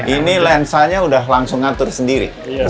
ini lensanya sudah langsung ngatur sendiri